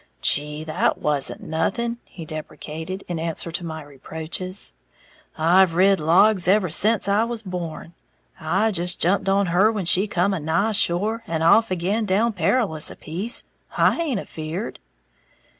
"Gee, that wasn't nothing," he deprecated, in answer to my reproaches, "I've rid logs ever sence I was born. I just jumped on her when she come a nigh shore, and off again down Perilous a piece. I haint afeared!"